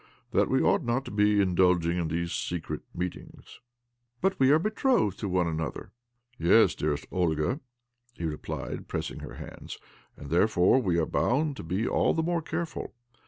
" That we ought not to be indulging in these secret meetings." " But we are betrothed to one another? "" Yes, dearest Olga," he replied, pressing her hands, " and therefore we are bound to be all the more careful.